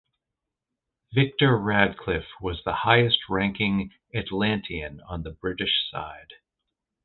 Victor Radcliff was the highest ranking Atlantean on the British side.